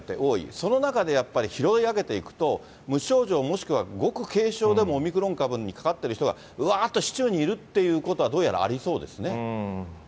その中でやっぱり拾い上げていくと、無症状、もしくはごく軽症でも、オミクロン株にかかっている人がうわーっと、市中にいることはどうやらありそうですね。